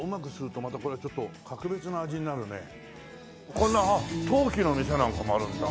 こんなあっ陶器の店なんかもあるんだ。